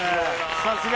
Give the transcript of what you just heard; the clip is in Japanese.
さすが。